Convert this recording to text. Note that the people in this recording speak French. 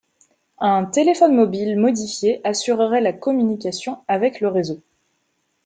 Un téléphone mobile modifié assurerait la communication avec le réseau.